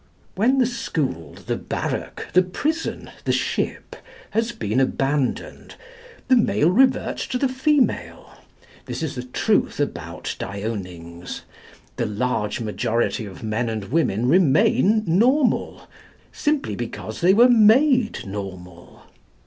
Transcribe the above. When the school, the barrack, the prison, the ship has been abandoned, the male reverts to the female. This is the truth about Dionings. The large majority of men and women remain normal, simply because they were made normal.